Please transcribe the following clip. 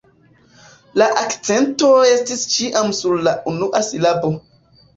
La akcento estas ĉiam sur la unua silabo.